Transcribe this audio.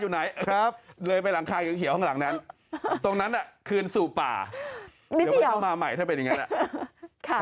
มันมาเลื้อยมาตามถนนนะเออมันมาตามท่อ